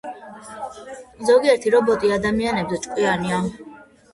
ზოგიერთი რობოტი ადამიანზე ჭკვიანია